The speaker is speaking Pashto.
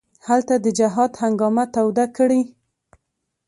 هلته د جهاد هنګامه توده کړي.